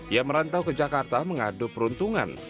ia merantau ke jakarta mengadu peruntungan